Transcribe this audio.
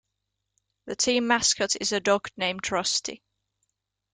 The team mascot is a dog named Rusty.